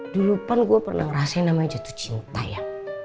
dulu pan gue pernah ngerasain namanya jatuh cinta ya